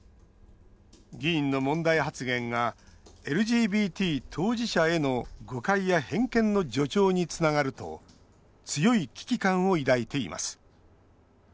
議員の問題発言がＬＧＢＴ当事者への誤解や偏見の助長につながると強い危機感を抱いています